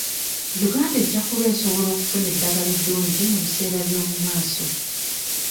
Uganda ejja kuba esobola okufuna eddagala eddungi mu biseera by'omumaaso.